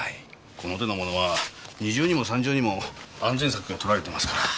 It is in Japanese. この手のモノは２重３重にも安全策が取られてますから。